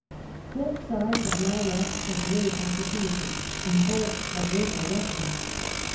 Both sides had now lost a great opportunity, and both had learnt the lesson.